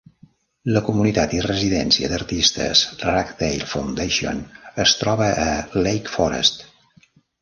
La comunitat i residència d'artistes Ragdale Foundation es troba a Lake Forest.